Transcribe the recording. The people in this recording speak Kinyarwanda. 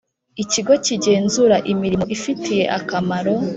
ikigo kigenzura imirimo ifitiye akamaro